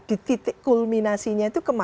di titik kulminasinya itu